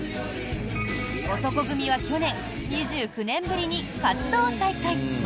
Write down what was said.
男闘呼組は去年２９年ぶりに活動再開。